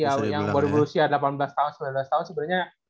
ya yang baru berusia delapan belas tahun sembilan belas tahun sebenarnya